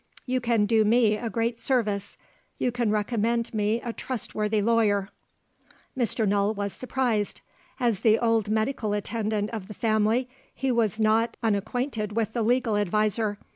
You can do me a great service you can recommend me a trustworthy lawyer." Mr. Null was surprised. As the old medical attendant of the family, he was not unacquainted with the legal adviser.